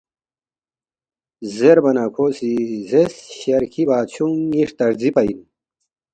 زیربا نہ کھو سی زیرس، ”شرکھی بادشونگ ن٘ی ہرتارزی پا اِن